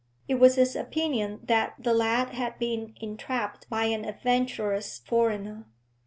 It was his opinion that the lad had been entrapped by an adventurous foreigner.